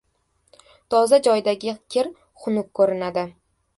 • Toza joydagi kir xunuk ko‘rinadi.